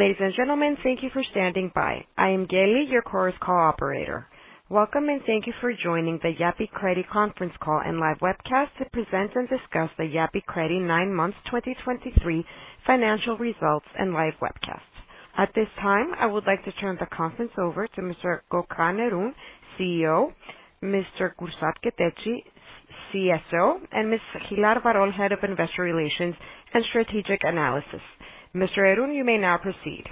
Ladies and gentlemen, thank you for standing by. I am Gayle, your Chorus Call operator. Welcome, and thank you for joining the Yapı Kredi Conference Call and Live Webcast to Present and Discuss The Yapı Kredi Nine Months 2023 Financial Results and Live Webcast. At this time, I would like to turn the conference over to Mr. Gökhan Erün, CEO, Mr. Kürşad Keteci, CFO, and Ms. Hilal Varol, Head of investor relations and strategic analysis. Mr. Erün, you may now proceed..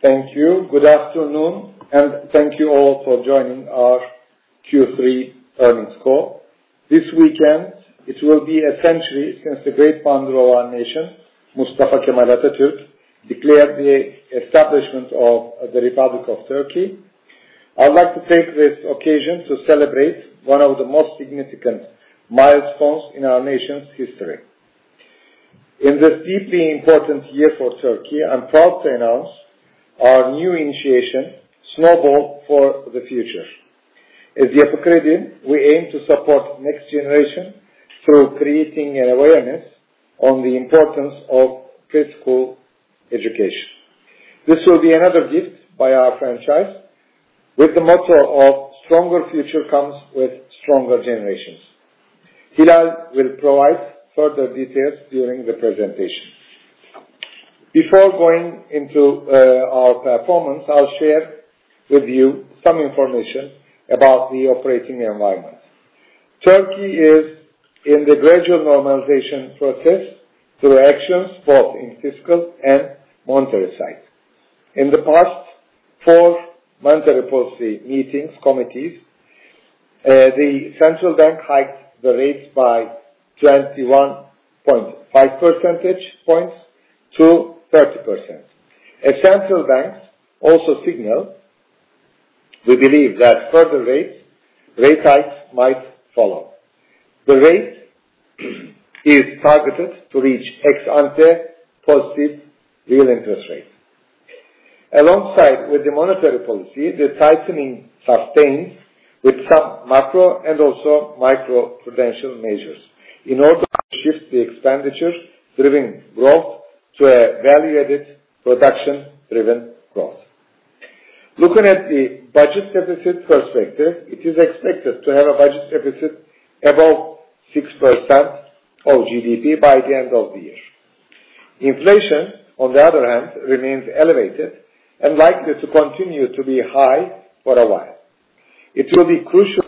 Thank you. Good afternoon, and thank you all for joining our Q3 Earnings Call. This weekend, it will be a century since the great founder of our nation, Mustafa Kemal Atatürk, declared the establishment of the Republic of Turkey. I'd like to take this occasion to celebrate one of the most significant milestones in our nation's history. In this deeply important year for Turkey, I'm proud to announce our new initiative, Snowball for the Future. At Yapı Kredi, we aim to support next generation through creating an awareness on the importance of physical education. This will be another gift by our franchise, with the motto of: Stronger future comes with stronger generations. Hilal will provide further details during the presentation. Before going into our performance, I'll share with you some information about the operating environment. Turkey is in the gradual normalization process through actions both in fiscal and monetary side. In the past 4 monetary policy meetings, committees, the Central Bank hiked the rates by 21.5 percentage points to 30%. A central bank also signaled we believe that further rates, rate hikes might follow. The rate is targeted to reach ex-ante positive real interest rate. Alongside with the monetary policy, the tightening sustains with some macro and also microprudential measures in order to shift the expenditure-driven growth to a value-added, production-driven growth. Looking at the budget deficit perspective, it is expected to have a budget deficit above 6% of GDP by the end of the year. Inflation, on the other hand, remains elevated and likely to continue to be high for a while. It will be crucial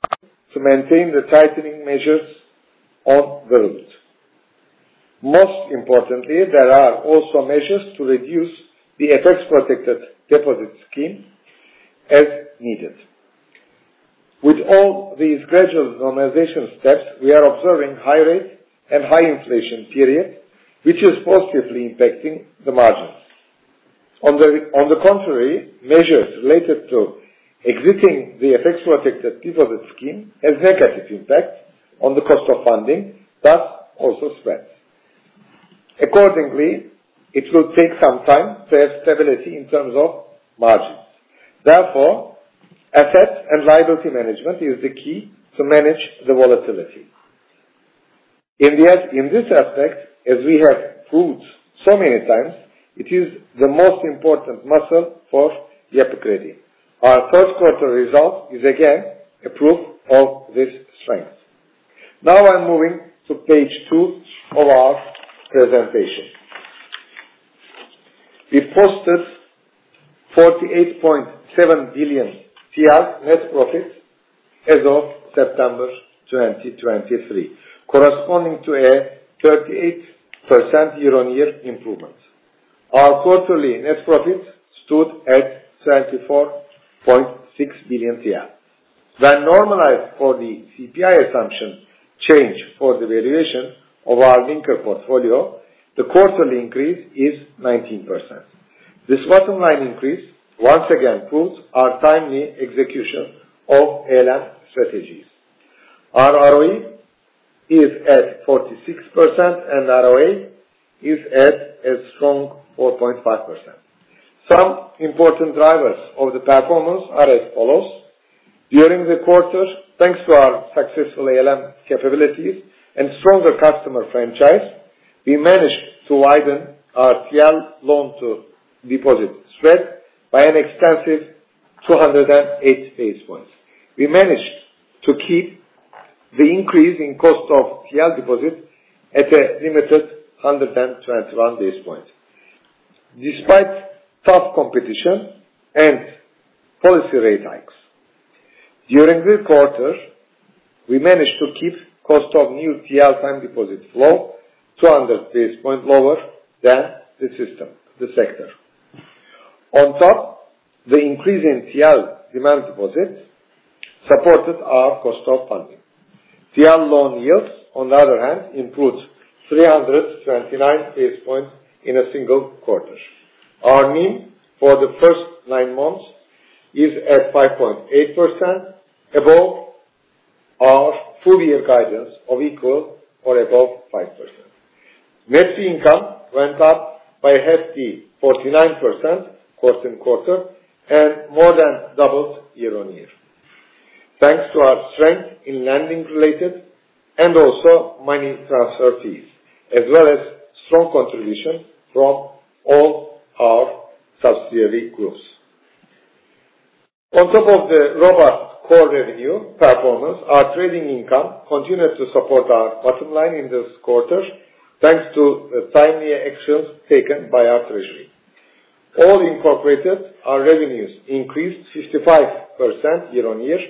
to maintain the tightening measures of the route. Most importantly, there are also measures to reduce the FX-protected deposit scheme as needed. With all these gradual normalization steps, we are observing high rate and high inflation period, which is positively impacting the margins. On the contrary, measures related to exiting the FX protected deposit scheme has negative impact on the cost of funding, but also spreads. Accordingly, it will take some time to have stability in terms of margins. Therefore, asset and liability management is the key to manage the volatility. In this aspect, as we have proved so many times, it is the most important muscle for Yapı Kredi. Our first quarter result is again a proof of this strength. Now I'm moving to page two of our presentation. We posted 48.7 billion net profit as of September 2023, corresponding to a 38% year-on-year improvement. Our quarterly net profit stood at 24.6 billion. When normalized for the CPI assumption change for the valuation of our linker portfolio, the quarterly increase is 19%. This bottom line increase once again proves our timely execution of ALM strategies. Our ROE is at 46% and ROA is at a strong 4.5%. Some important drivers of the performance are as follows: During the quarter, thanks to our successful ALM capabilities and stronger customer franchise, we managed to widen our TL loan to deposit spread by an extensive 208 basis points. We managed to keep the increase in cost of TL deposits at a limited 121 basis points, despite tough competition and policy rate hikes. During this quarter, we managed to keep cost of new TL time deposits low, 200 basis points lower than the system, the sector. On top, the increase in TL demand deposits supported our cost of funding. TL loan yields, on the other hand, improved 329 basis points in a single quarter. Our mean for the first nine months is at 5.8%, above our full year guidance of equal or above 5%. Net income went up by a hefty 49% quarter-on-quarter, and more than doubled year-on-year. Thanks to our strength in lending related and also money transfer fees, as well as strong contribution from all our subsidiary groups. On top of the robust core revenue performance, our trading income continued to support our bottom line in this quarter, thanks to timely actions taken by our treasury. All incorporated, our revenues increased 55% year-on-year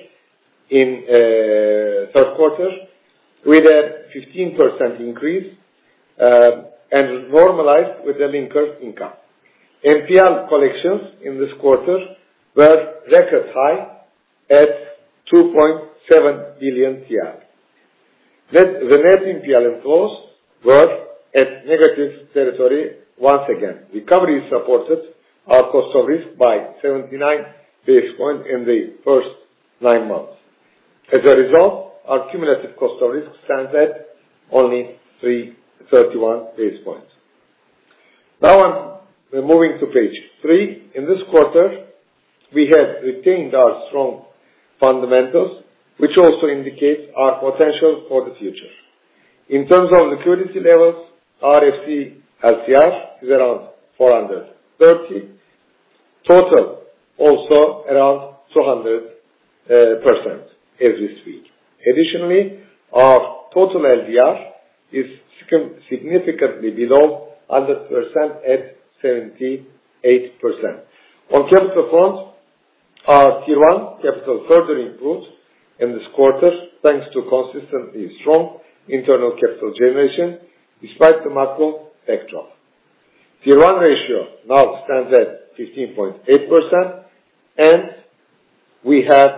in third quarter, with a 15% increase, and normalized with the linker income. NPL collections in this quarter were record high at 2.7 billion. Net, the net NPL inflows were at negative territory once again. Recovery supported our cost of risk by 79 basis points in the first nine months. As a result, our cumulative cost of risk stands at only 331 basis points. Now, I'm moving to page 3. In this quarter, we have retained our strong fundamentals, which also indicates our potential for the future. In terms of liquidity levels, our FC LCR is around 430. Total also around 200% as we speak. Additionally, our total LDR is significantly below 100% at 78%. On capital front, our Tier 1 capital further improved in this quarter, thanks to consistently strong internal capital generation despite the macro backdrop. Tier 1 ratio now stands at 15.8%, and we have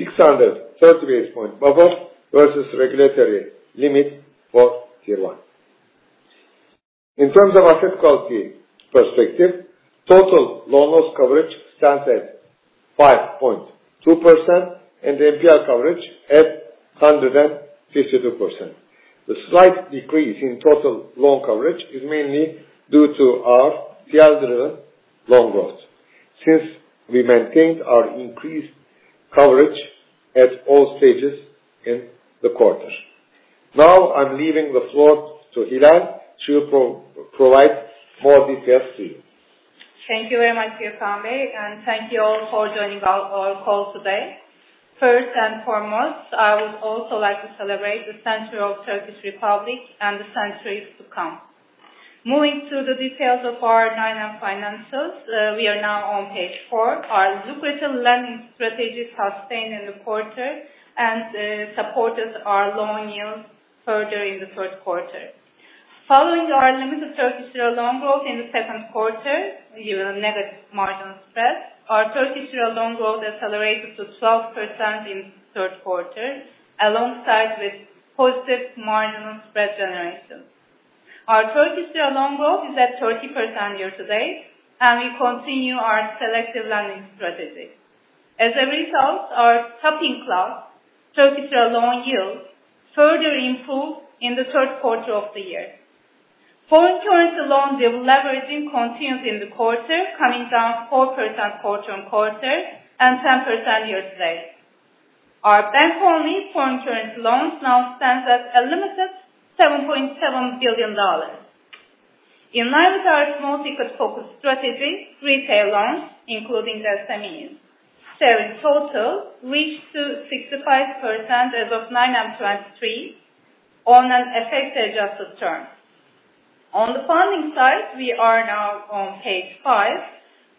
638-point buffer versus regulatory limit for Tier 1. In terms of asset quality perspective, total loan loss coverage stands at 5.2% and the NPL coverage at 152%. The slight decrease in total loan coverage is mainly due to our Stage 2 loan growth. Since we maintained our increased coverage at all stages in the quarter. Now I'm leaving the floor to Hilal. She'll provide more details to you. Thank you very much, Gökhan, and thank you all for joining our, our call today. First and foremost, I would also like to celebrate the century of Turkish Republic and the centuries to come. Moving to the details of our 9M finances, we are now on page 4. Our lucrative lending strategies sustained in the quarter and supported our loan yields further in the third quarter. Following our limited Turkish lira loan growth in the second quarter, we will negative marginal spread. Our Turkish lira loan growth accelerated to 12% in third quarter, alongside with positive marginal spread generation. Our Turkish lira loan growth is at 30% year to date, and we continue our selective lending strategy. As a result, our topping class, Turkish lira loan yield further improved in the third quarter of the year. Foreign currency loan deleveraging continues in the quarter, coming down 4% quarter on quarter and 10% year to date. Our bank-only foreign currency loans now stands at a limited $7.7 billion. In line with our small ticket-focused strategy, retail loans, including SME, share in total reached to 65% as of 9M 2023 on an effective adjusted term. On the funding side, we are now on page five.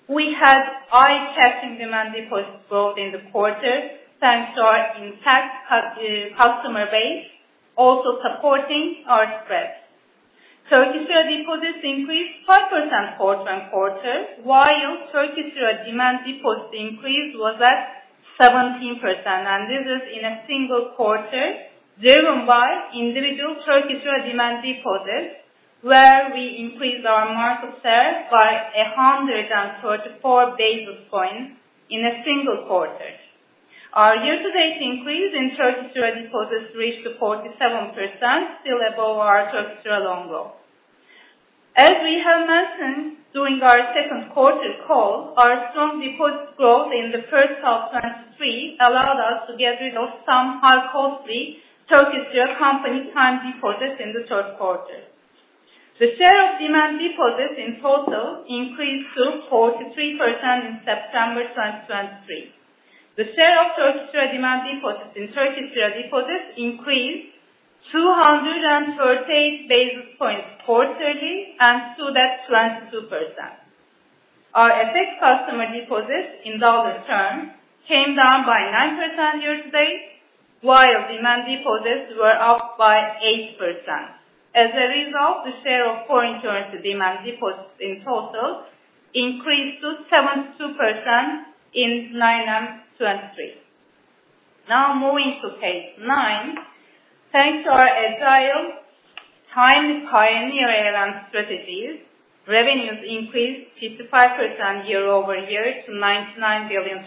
We had high checking demand deposit growth in the quarter, thanks to our intact customer base, also supporting our spreads. Turkish lira deposits increased 5% quarter on quarter, while Turkish lira demand deposits increase was at 17%, and this is in a single quarter, driven by individual Turkish lira demand deposits, where we increased our market share by 134 basis points in a single quarter. Our year-to-date increase in Turkish lira deposits reached 47%, still above our Turkish lira loan growth. As we have mentioned during our second quarter call, our strong deposit growth in the first half 2023 allowed us to get rid of some high-cost Turkish lira company term deposits in the third quarter. The share of demand deposits in total increased to 43% in September 2023. The share of Turkish lira demand deposits in Turkish lira deposits increased 238 basis points quarterly, and stood at 22%. Our FX customer deposits in dollar terms came down by 9% year-to-date, while demand deposits were up by 8%. As a result, the share of foreign currency demand deposits in total increased to 72% in 9M 2023. Now moving to page nine. Thanks to our agile, timely, pioneer ALM strategies, revenues increased 55% year-over-year to 99 billion.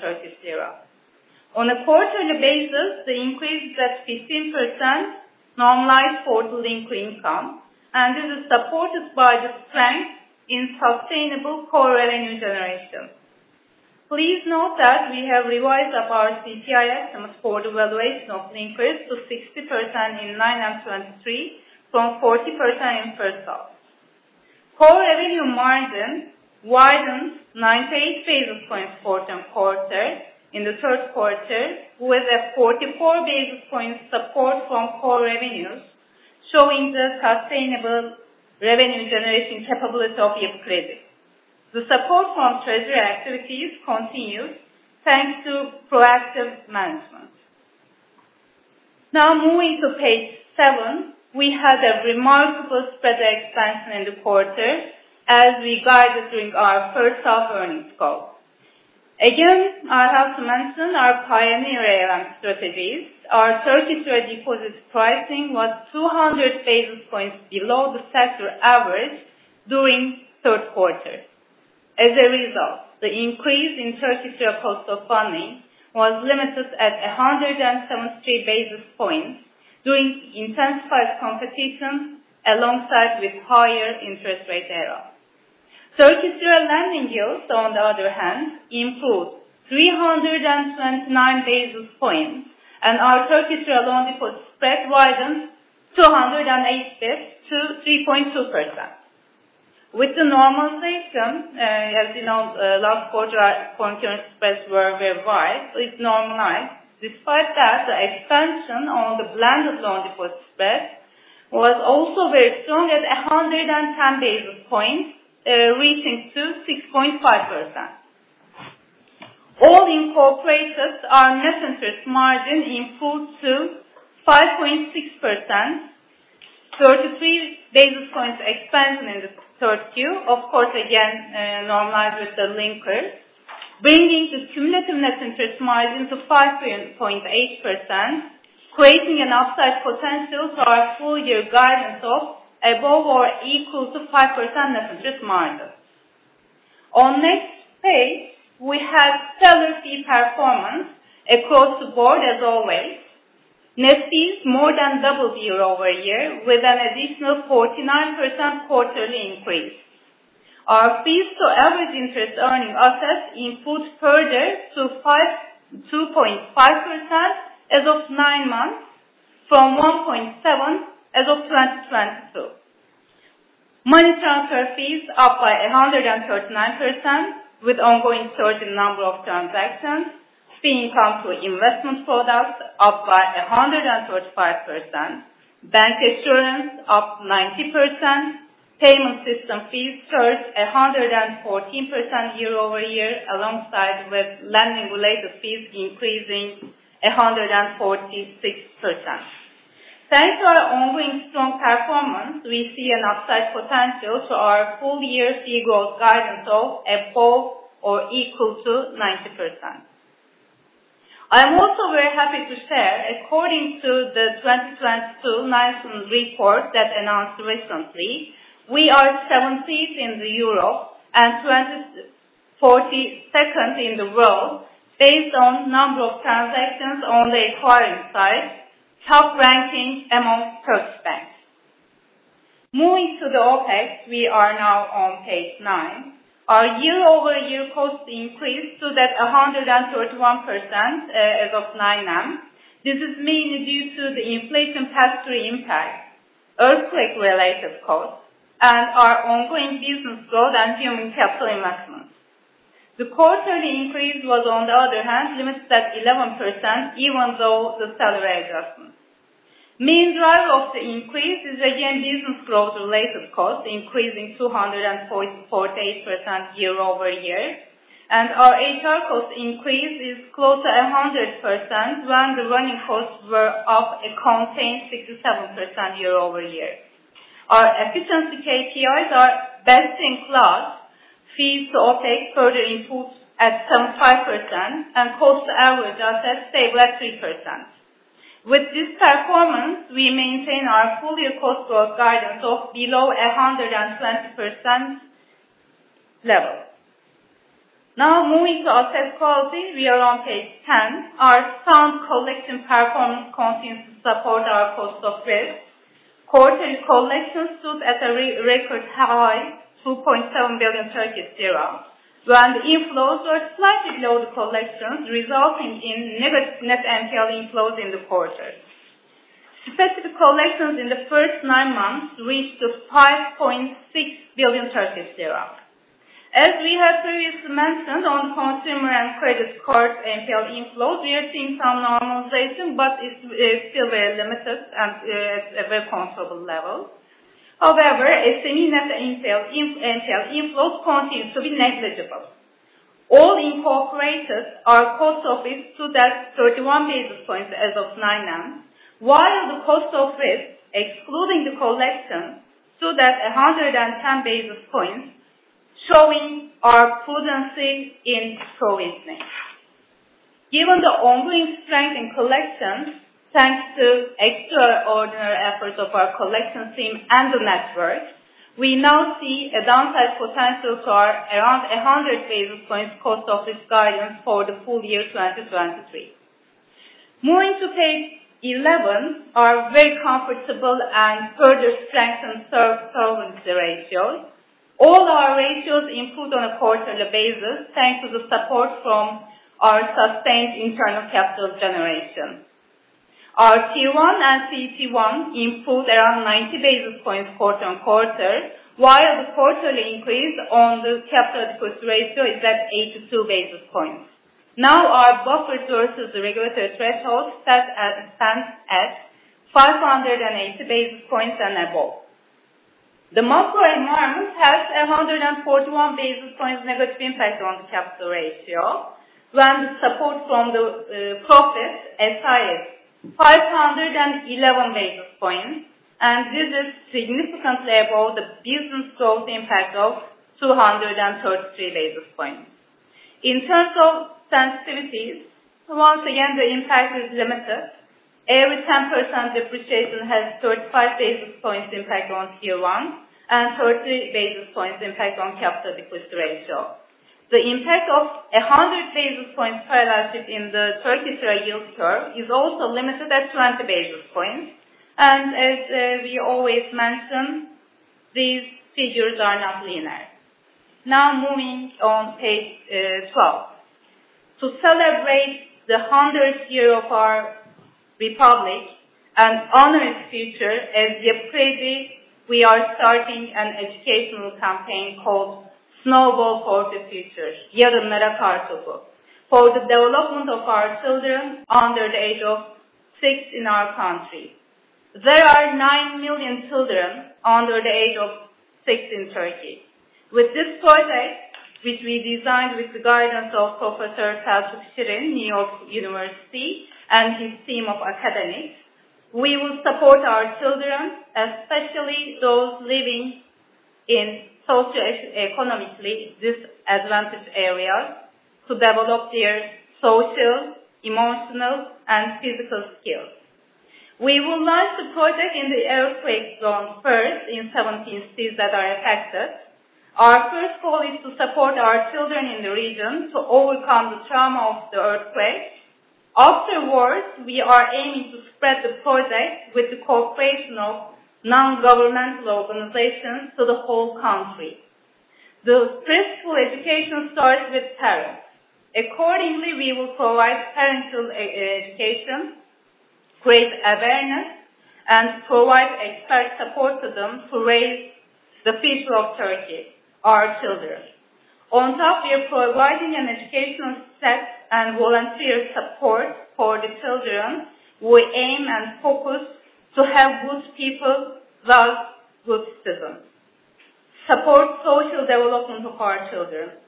On a quarterly basis, the increase is at 15% normalized for linker income, and this is supported by the strength in sustainable core revenue generation. Please note that we have revised up our CPI estimates for the valuation of increase to 60% in 2023, from 40% in first half. Core revenue margin widened 98 basis points quarter-on-quarter, in the third quarter, with a 44 basis points support from core revenues, showing the sustainable revenue generating capability of Yapı Kredi. The support from treasury activities continued, thanks to proactive management. Now moving to page seven. We had a remarkable spread expansion in the quarter as we guided during our first half earnings call. Again, I have to mention our pioneer ALM strategies. Our Turkish lira deposit pricing was 200 basis points below the sector average during third quarter. As a result, the increase in Turkish lira cost of funding was limited at 173 basis points, during intensified competition alongside with higher interest rate era. Turkish lira lending yields, on the other hand, improved 329 basis points, and our Turkish lira loan deposit spread widened 208 basis points to 3.2%. With the normalization, as you know, last quarter concurrent spreads were very wide, it normalized. Despite that, the expansion on the blended loan deposit spread was also very strong at 110 basis points, reaching to 6.5%. All incorporated, our net interest margin improved to 5.6%, 33 basis points expansion in the third Q. Of course, again, normalized with the linker, bringing the cumulative net interest margin to 5.8%, creating an upside potential for our full year guidance of above or equal to 5% net interest margin. On next page, we have stellar fee performance across the board, as always. Net fees more than doubled year-over-year, with an additional 49% quarterly increase. Our fees to average interest earning assets improved further to 2.5% as of nine months, from 1.7% as of 2022. Money transfer fees up by 139%, with ongoing surge in number of transactions. Fee income to investment products up by 135%. Bancassurance up 90%. Payment system fees surged 114% year-over-year, alongside with lending-related fees increasing 146%. Thanks to our ongoing strong performance, we see an upside potential to our full year fee growth guidance of above or equal to 90%. I am also very happy to share, according to the 2022 Nilson Report that announced recently, we are 17th in Europe and 24th in the world, based on number of transactions on the acquiring side, top ranking among Turkish banks. Moving to the OpEx, we are now on page 9. Our year-over-year cost increased to that a 131%, as of 9M. This is mainly due to the inflation pass-through impact, earthquake-related costs, and our ongoing business growth and human capital investments. The quarterly increase was on the other hand, limited at 11%, even though the salary adjustments. Main driver of the increase is again, business growth-related costs, increasing 244.8% year-over-year, and our HR cost increase is close to 100%, while the running costs were up a contained 67% year-over-year. Our efficiency KPIs are best in class. Fees to OpEx further improved at 75% and cost to average assets stayed at 3%. With this performance, we maintain our full-year cost growth guidance of below 120% level. Now moving to asset quality, we are on page 10. Our sound collection performance continues to support our cost of risk. Quarterly collections stood at a record high, 2.7 billion, while the inflows were slightly below the collections, resulting in negative net NPL inflows in the quarter. Specific collections in the first nine months reached TRY 5.6 billion. As we have previously mentioned, on consumer and credit card NPL inflows, we are seeing some normalization, but it's still very limited and at a very comfortable level. However, SME net NPL inflows continues to be negligible. All incorporated, our cost of risk stood at 31 basis points as of 9M, while the cost of risk, excluding the collection, stood at 110 basis points, showing our prudency in provisioning. Given the ongoing strength in collections, thanks to extraordinary efforts of our collection team and the network, we now see a downside potential for around 100 basis points cost of risk guidance for the full year 2023. Moving to page 11, are very comfortable and further strengthen solvency ratios. All our ratios improved on a quarterly basis, thanks to the support from our sustained internal capital generation. Our Tier 1 and CET1 improved around 90 basis points quarter on quarter, while the quarterly increase on the capital ratio is at 82 basis points. Now, our buffer versus, the regulatory threshold, set at, stands at 580 basis points and above. The macro environment has 141 basis points negative impact on the capital ratio, when the support from the profits as high as 511 basis points, and this is significantly above the business growth impact of 233 basis points. In terms of sensitivities, once again, the impact is limited. Every 10% depreciation has 35 basis points impact on Q1 and 30 basis points impact on capital ratio. The impact of 100 basis points parallel in the Turkish yield curve is also limited at 20 basis points. As we always mention, these figures are not linear. Now, moving on page twelve. To celebrate the 100th year of our republic and honor its future, as Yapı Kredi, we are starting an educational campaign called Snowball for the Future, for the development of our children under the age of 6 in our country. There are 9 million children under the age of 6 in Turkey. With this project, which we designed with the guidance of Professor Selçuk Şirin, New York University, and his team of academics, we will support our children, especially those living in socio-economically disadvantaged areas, to develop their social, emotional, and physical skills. We would like to project in the earthquake zone first, in 17 cities that are affected. Our first goal is to support our children in the region to overcome the trauma of the earthquake. Afterwards, we are aiming to spread the project with the cooperation of non-governmental organizations to the whole country. The preschool education starts with parents. Accordingly, we will provide parental education, create awareness, and provide expert support to them to raise the people of Turkey, our children. On top, we are providing an educational set and volunteer support for the children. We aim and focus to have good people, well, good citizens. Support social development of our children,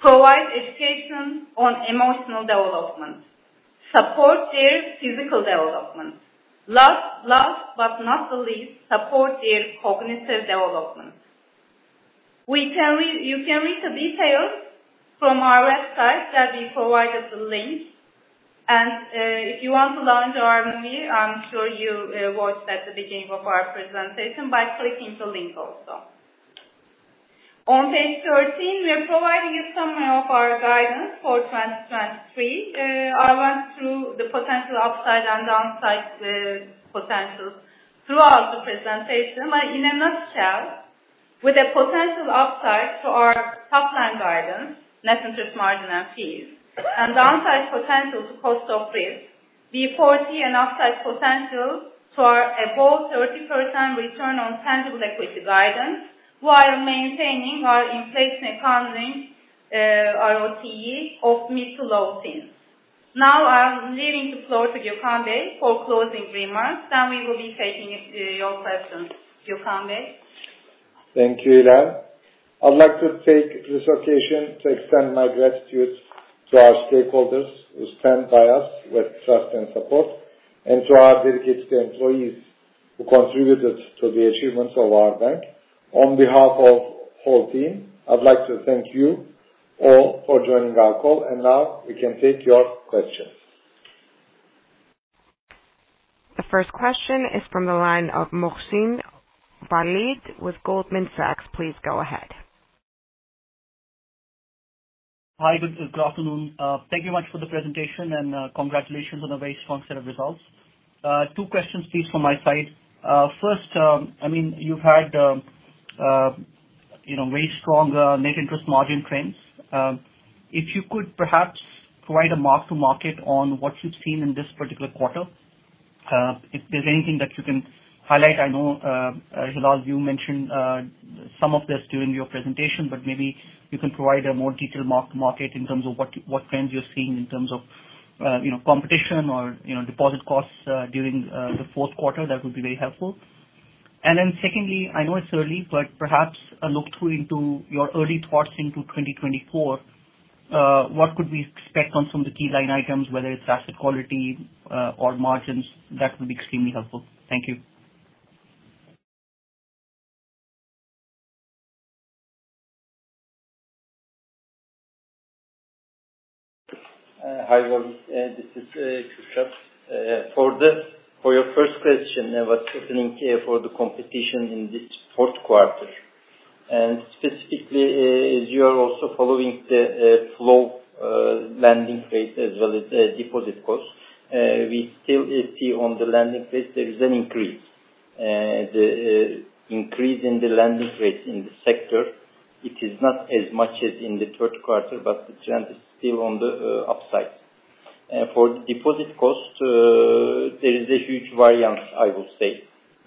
provide education on emotional development, support their physical development. Last but not the least, support their cognitive development. We tell you. You can read the details from our website that we provided the link. If you want to learn our menu, I'm sure you watched at the beginning of our presentation by clicking the link also. On page 13, we are providing a summary of our guidance for 2023. I went through the potential upside and downside potentials throughout the presentation. But in a nutshell, with a potential upside to our top line guidance, net interest margin, and fees, and downside potential to cost of risk, we foresee an upside potential to our above 30% return on tangible equity guidance while maintaining our inflation economy ROTE of mid- to low teens. Now, I'm leaving the floor to Gökhan Bey for closing remarks, then we will be taking your questions. Gökhan Bey? Thank you, Hilal. I'd like to take this occasion to extend my gratitude to our stakeholders who stand by us with trust and support, and to our dedicated employees who contributed to the achievements of our bank. On behalf of whole team, I'd like to thank you all for joining our call. Now we can take your questions. The first question is from the line of Waleed Mohsin with Goldman Sachs. Please go ahead. Hi, good, good afternoon. Thank you much for the presentation, and congratulations on a very strong set of results. Two questions, please, from my side. First, I mean, you've had, you know, very strong, net interest margin trends. If you could perhaps provide a mark to market on what you've seen in this particular quarter, if there's anything that you can highlight. I know, Hilal, you mentioned some of this during your presentation, but maybe you can provide a more detailed mark to market in terms of what, what trends you're seeing in terms of, you know, competition or, you know, deposit costs, during the fourth quarter. That would be very helpful. And then secondly, I know it's early, but perhaps a look through into your early thoughts into 2024, what could we expect on some of the key line items, whether it's asset quality, or margins? That would be extremely helpful. Thank you. Hi, Waleed. This is Kürşad. For your first question, what's happening for the competition in the fourth quarter? Specifically, as you are also following the flow, lending rate as well as deposit cost, we still see on the lending rate there is an increase. The increase in the lending rates in the sector, it is not as much as in the third quarter, but the trend is still on the upside. For the deposit cost, there is a huge variance, I would say,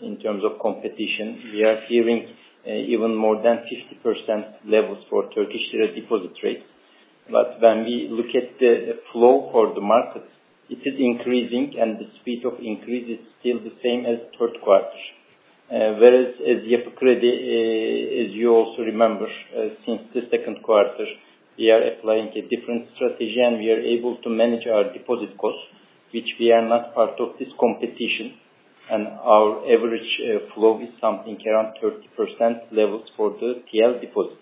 in terms of competition. We are seeing even more than 50% levels for Turkish lira deposit rates. But when we look at the flow for the market, it is increasing, and the speed of increase is still the same as third quarter. Whereas as Yapı Kredi, as you also remember, since the second quarter, we are applying a different strategy, and we are able to manage our deposit costs, which we are not part of this competition. And our average flow is something around 30% levels for the TL deposits.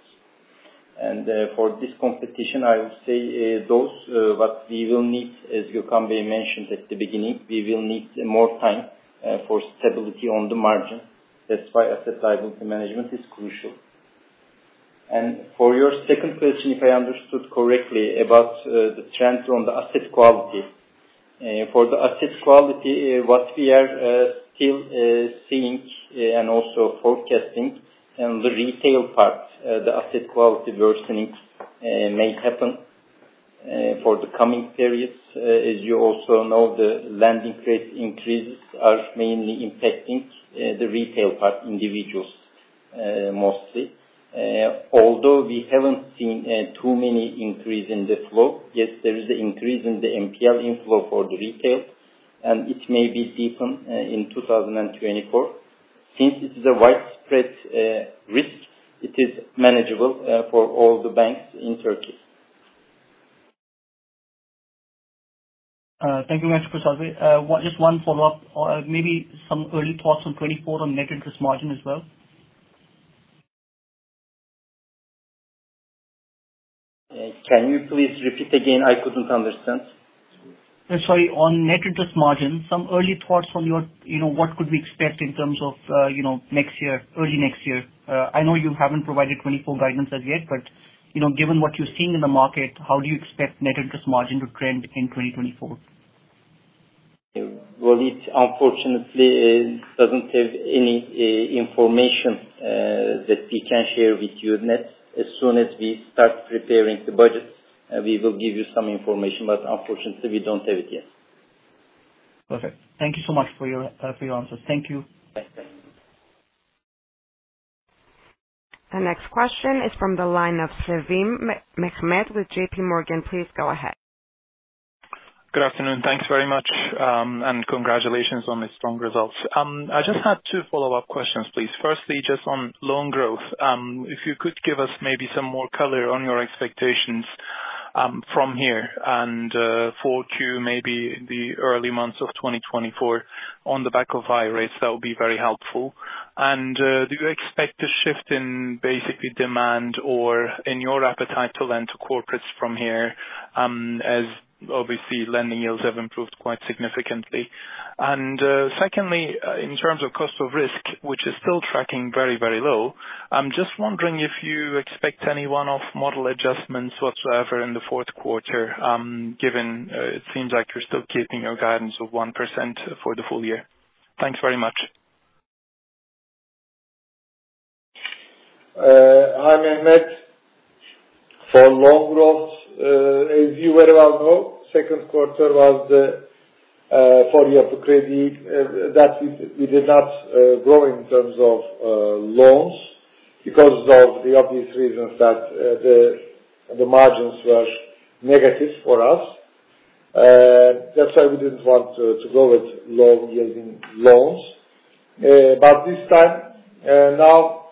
And, for this competition, I would say, those, what we will need, as Gökhan Bey mentioned at the beginning, we will need more time, for stability on the margin. That's why asset liability management is crucial. And for your second question, if I understood correctly, about the trend on the asset quality. For the asset quality, what we are still seeing and also forecasting in the retail part, the asset quality worsening, may happen, for the coming periods. As you also know, the lending rate increases are mainly impacting the retail part, individuals, mostly. Although we haven't seen too many increase in the flow, yet there is an increase in the NPL inflow for the retail, and it may be deepen in 2024. Since it's a widespread risk, it is manageable for all the banks in Turkey. Thank you very much, Kürşad. Just one follow-up or maybe some early thoughts on 2024 on net interest margin as well. Can you please repeat again? I couldn't understand. Sorry, on net interest margin, some early thoughts on your, you know, what could we expect in terms of, you know, next year, early next year. I know you haven't provided 2024 guidance as yet, but, you know, given what you're seeing in the market, how do you expect net interest margin to trend in 2024? Well, it unfortunately doesn't have any information that we can share with you net. As soon as we start preparing the budget, we will give you some information, but unfortunately, we don't have it yet. Perfect. Thank you so much for your answers. Thank you. Thanks. The next question is from the line of Mehmet Sevim with JPMorgan. Please go ahead. Good afternoon. Thanks very much, and congratulations on the strong results. I just had two follow-up questions, please. Firstly, just on loan growth, if you could give us maybe some more color on your expectations, from here and, 4Q, maybe the early months of 2024 on the back of high rates, that would be very helpful. And, do you expect a shift in basically demand or in your appetite to lend to corporates from here, as obviously, lending yields have improved quite significantly? And, secondly, in terms of cost of risk, which is still tracking very, very low, I'm just wondering if you expect any one-off model adjustments whatsoever in the fourth quarter, given, it seems like you're still keeping your guidance of 1% for the full year. Thanks very much. Hi, Mehmet. For loan growth, as you very well know, second quarter was the for Yapı Kredi, that is we did not grow in terms of loans because of the obvious reasons that the margins were negative for us. That's why we didn't want to go with low-yielding loans. But this time, now,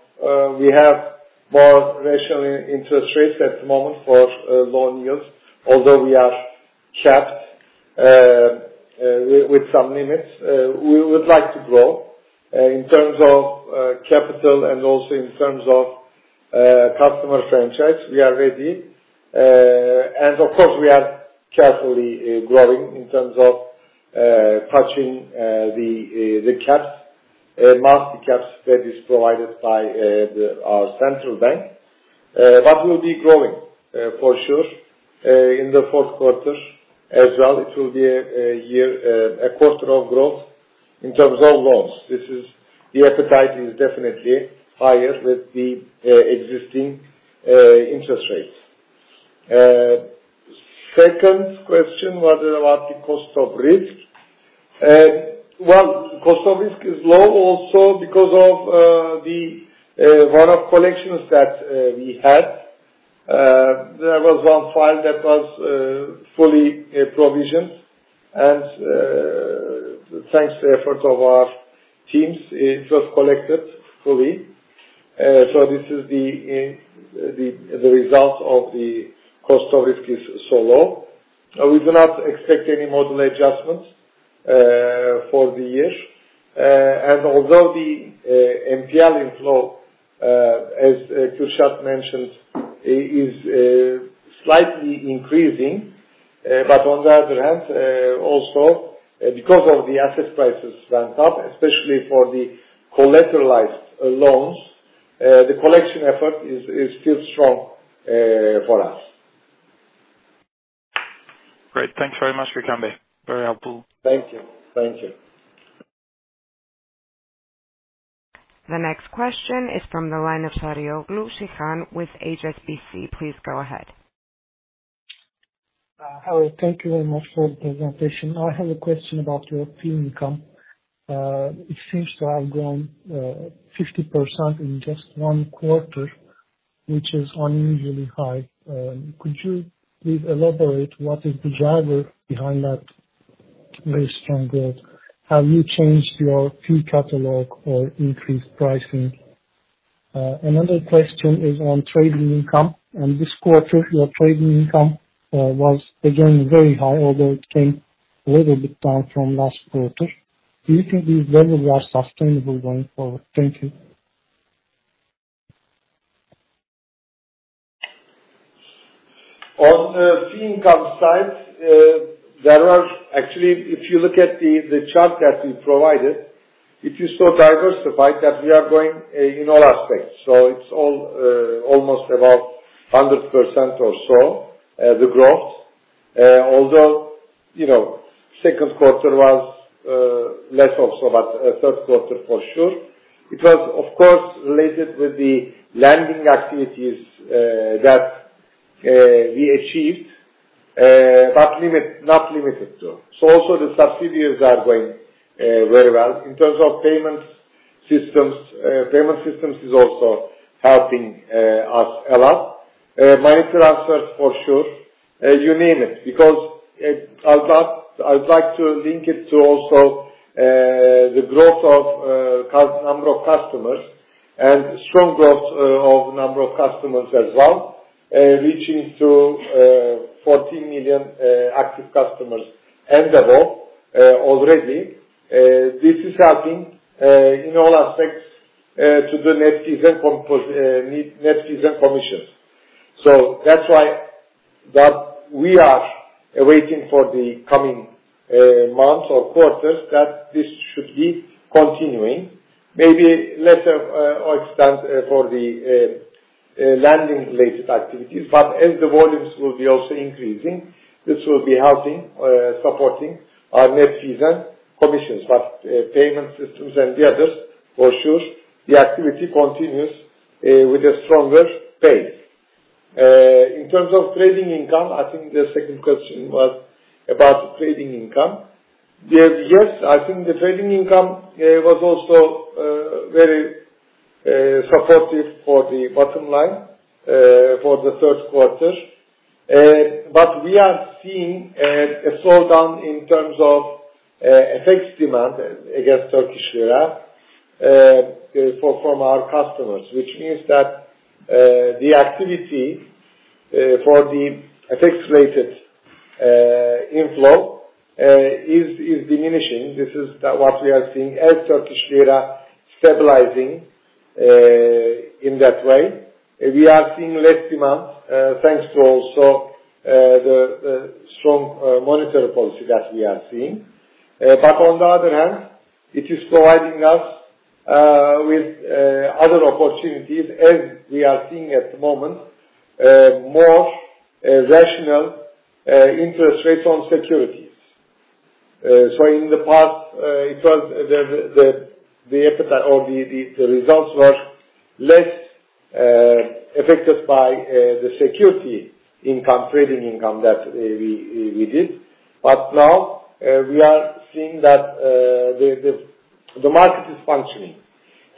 we have more rational interest rates at the moment for loan yields. Although we are capped with some limits, we would like to grow. In terms of capital and also in terms of customer franchise, we are ready. And of course, we are carefully growing in terms of touching the caps, monthly caps that is provided by our central bank. But we'll be growing, for sure, in the fourth quarter as well. It will be a quarter of growth in terms of loans. This is the appetite is definitely higher with the existing interest rates. Second question was about the cost of risk. Well, cost of risk is low also because of the one-off collections that we had. There was one file that was fully provisioned, and thanks to efforts of our teams, it was collected fully. So this is the result of the cost of risk is so low. We do not expect any model adjustments for the year. And although the NPL inflow, as Kürşad mentioned, is slightly increasing. But on the other hand, also, because of the asset prices went up, especially for the collateralized loans, the collection effort is still strong, for us. Great. Thanks very much, Gökhan Bey. Very helpful. Thank you. Thank you. The next question is from the line of Cihan Saraçoğlu with HSBC. Please go ahead. Hello. Thank you very much for the presentation. I have a question about your fee income. It seems to have grown 50% in just one quarter, which is unusually high. Could you please elaborate what is the driver behind that very strong growth? Have you changed your fee catalog or increased pricing? Another question is on trading income. In this quarter, your trading income was again very high, although it came a little bit down from last quarter. Do you think this revenue are sustainable going forward? Thank you. On the fee income side, there are actually, if you look at the chart that we provided, it is so diversified that we are growing in all aspects. So it's all almost about 100% or so the growth. Although, you know, second quarter was less also but third quarter for sure. It was, of course, related with the lending activities that we achieved, but not limited to. So also the subsidiaries are going very well. In terms of payment systems, payment systems is also helping us a lot. Money transfers for sure, you name it. Because, I'd like, I'd like to link it to also, the growth of, number of customers and strong growth, of number of customers as well, reaching to, 14 million, active customers end of all, already. This is helping, in all aspects, to the net fees and compos- net fees and commissions. So that's why that we are waiting for the coming, months or quarters that this should be continuing. Maybe less of, extent, for the, lending-related activities. But as the volumes will be also increasing, this will be helping, supporting our net fees and commissions. But, payment systems and the others, for sure, the activity continues, with a stronger pace. In terms of trading income, I think the second question was about the trading income. Yes, I think the trading income was also very supportive for the bottom line for the third quarter. But we are seeing a slowdown in terms of FX demand against Turkish lira from our customers. Which means that the activity for the FX-related inflow is diminishing. This is what we are seeing as Turkish lira stabilizing in that way. We are seeing less demand thanks to also the strong monetary policy that we are seeing. But on the other hand, it is providing us with other opportunities, as we are seeing at the moment, more rational interest rates on securities. So in the past, it was the results were less affected by the security income, trading income that we did. But now, we are seeing that the market is functioning,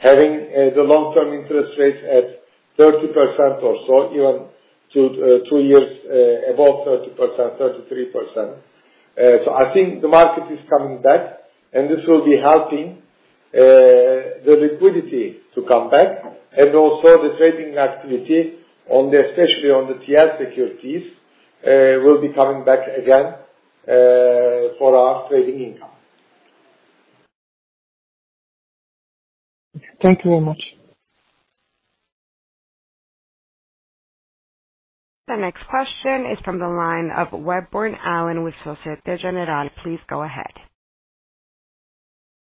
having the long-term interest rates at 30% or so, even two years above 30%, 33%. So I think the market is coming back, and this will be helping the liquidity to come back. And also the trading activity on the, especially on the TL securities, will be coming back again for our trading income. Thank you very much. The next question is from the line of Alan Webborn with Société Générale. Please go ahead.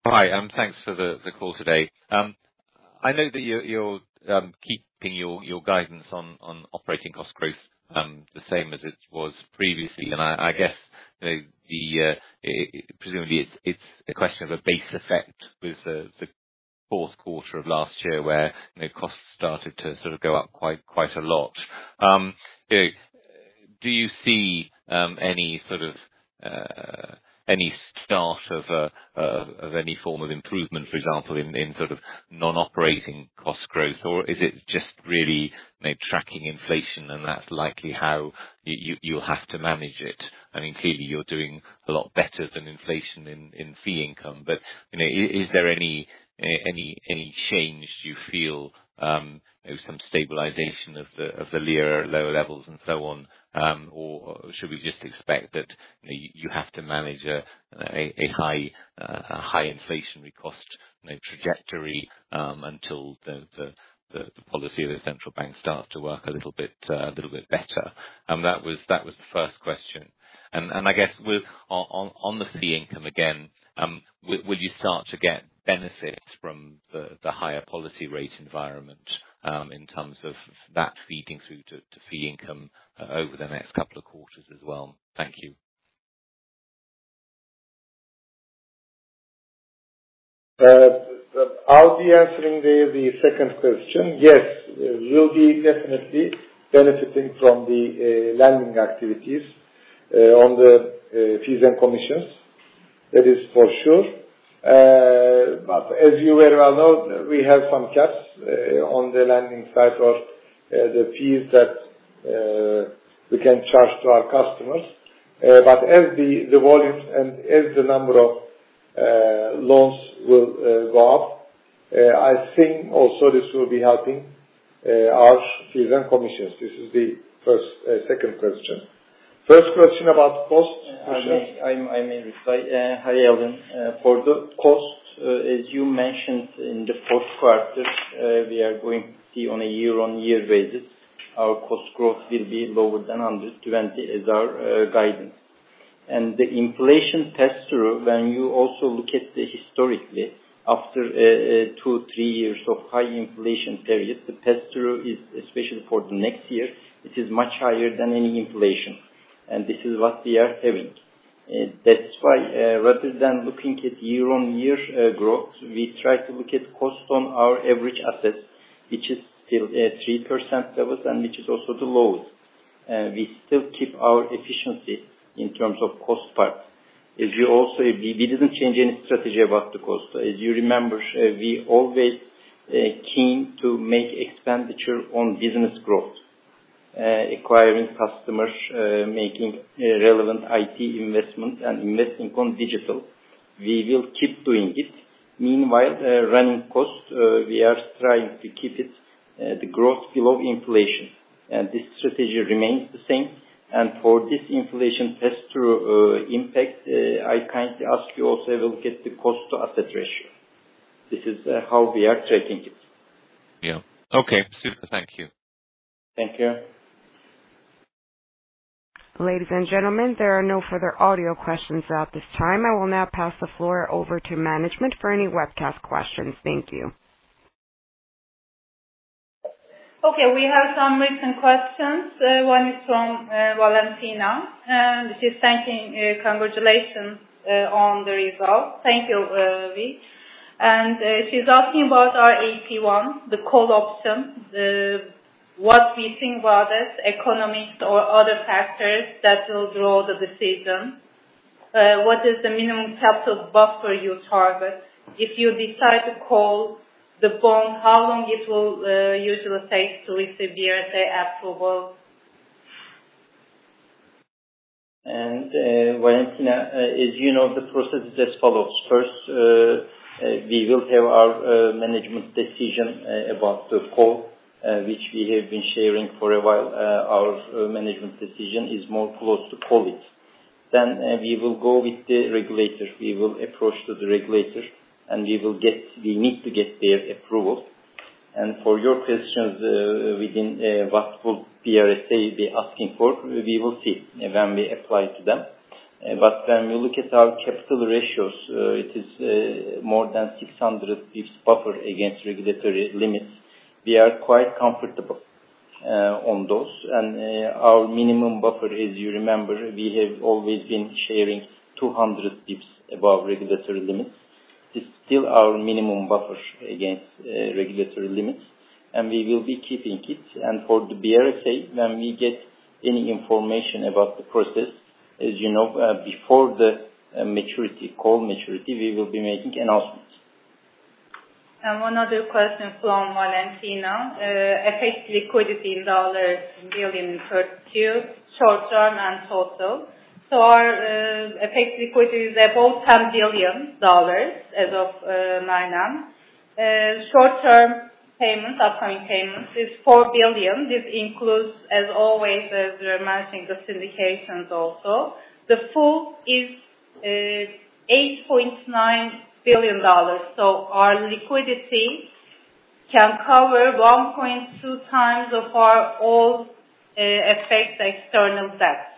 Hi, thanks for the call today. I know that you're keeping your guidance on operating cost growth the same as it was previously. I guess, you know, presumably it's a question of a base effect with the fourth quarter of last year, where, you know, costs started to sort of go up quite a lot. Do you see any sort of start of any form of improvement, for example, in sort of non-operating cost growth? Or is it just really maybe tracking inflation and that's likely how you'll have to manage it? I mean, clearly you're doing a lot better than inflation in fee income. You know, is there any change you feel, you know, some stabilization of the lira at lower levels and so on? Or should we just expect that, you know, you have to manage a high inflationary cost structure with no trajectory until the policy of the central bank starts to work a little bit better. That was the first question. And I guess, on the fee income again, will you start to get benefits from the higher policy rate environment in terms of that feeding through to fee income over the next couple of quarters as well? Thank you. I'll be answering the second question. Yes, we'll be definitely benefiting from the lending activities on the fees and commissions. That is for sure. But as you very well know, we have some caps on the lending side or the fees that we can charge to our customers. But as the volumes and as the number of loans will go up, I think also this will be helping our fees and commissions. This is the first second question. First question about costs. I may reply. Hi, Alan. For the cost, as you mentioned in the fourth quarter, we are going to be on a year-on-year basis. Our cost growth will be lower than 120 as our guidance. And the inflation pass-through, when you also look at the historically, after two, three years of high inflation periods, the pass-through is especially for the next year, it is much higher than any inflation, and this is what we are having. That's why, rather than looking at year-on-year growth, we try to look at cost on our average assets, which is still at 3% levels, and which is also the lowest. We still keep our efficiency in terms of cost part. As you also, we didn't change any strategy about the cost. As you remember, we always keen to make expenditure on business growth, acquiring customers, making relevant IT investment and investing on digital. We will keep doing it. Meanwhile, running costs, we are trying to keep it the growth below inflation, and this strategy remains the same. For this inflation pass-through impact, I kindly ask you also look at the cost to asset ratio. This is how we are tracking it. Yeah. Okay, super. Thank you. Thank you. Ladies and gentlemen, there are no further audio questions at this time. I will now pass the floor over to management for any webcast questions. Thank you. Okay, we have some written questions. One is from Valentina, and she's thanking, congratulations, on the result. Thank you, V. She's asking about our AT1, the call option, what we think about it, economics or other factors that will draw the decision. What is the minimum capital buffer you target? If you decide to call the bond, how long it will usually take to receive the BRSA approval? And, Valentina, as you know, the process is as follows: First, we will have our management decision about the call, which we have been sharing for a while. Our management decision is more close to call it. Then, we will go with the regulator. We will approach to the regulator, and we will get. We need to get their approval. And for your questions, within what would BRSA be asking for, we will see when we apply to them. But when we look at our capital ratios, it is more than 600 basis points buffer against regulatory limits. We are quite comfortable on those. Our minimum buffer, as you remember, we have always been sharing 200 basis points above regulatory limits. This is still our minimum buffer against regulatory limits, and we will be keeping it. And for the BRSA, when we get any information about the process, as you know, before the maturity, call maturity, we will be making announcements. One other question from Valentina. FX liquidity in dollar billion for two, short term and total. Our FX liquidity is about $10 billion as of 9M. Short-term upcoming payments is $4 billion. This includes, as always, as you are managing the syndications also. The full is $8.9 billion. Our liquidity can cover 1.2x of our all FX external debts.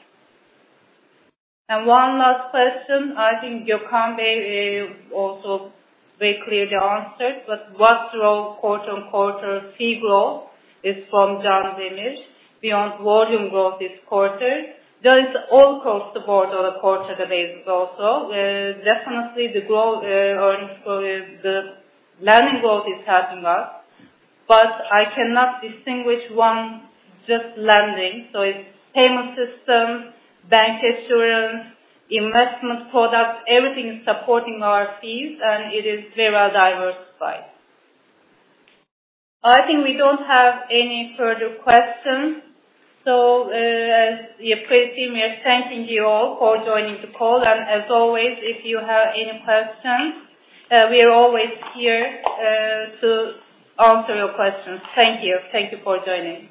One last question, I think Gökhan Bey also very clearly answered, but what drove quarter-on-quarter fee growth is from John Finch. Beyond volume growth this quarter, there is all cost support on a quarter basis also. Definitely the growth, earnings growth is the lending growth is helping us, but I cannot distinguish one, just lending. So it's payment systems, bancassurance, investment products, everything is supporting our fees, and it is very well diversified. I think we don't have any further questions. So, as the team, we are thanking you all for joining the call, and as always, if you have any questions, we are always here to answer your questions. Thank you. Thank you for joining.